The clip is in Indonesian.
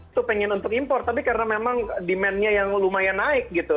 itu pengen untuk import tapi karena memang demand nya yang lumayan naik gitu